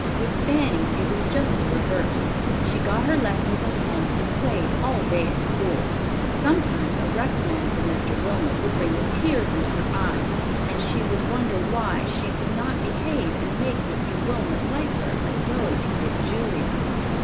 With Fanny it was just the reverse. She got her lessons at home and played all day at school! Sometimes a reprimand from Mr. Wilmot would bring the tears into her eyes and she would wonder why it was she could not behave and make Mr. Wilmot like her as well as he did Julia.